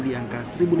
di angka kecil